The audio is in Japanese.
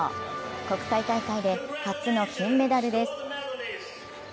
国際大会で初の金メダルです。